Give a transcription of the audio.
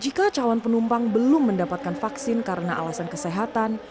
jika calon penumpang belum mendapatkan vaksin karena alasan kesehatan